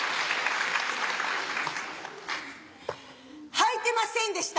はいてませんでした。